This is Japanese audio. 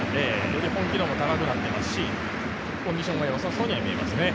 より本気度も高くなっていますし、コンディションもよさそうに見えますね。